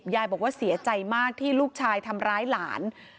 ยายบอกว่าเสียใจมากที่ลูกชายทำร้ายหลาน